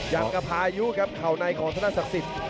ยังกระพายุครับเข่าในของธนศักดิ์สิทธิ์